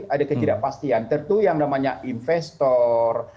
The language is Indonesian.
ada kejidatpastian tertu yang namanya investor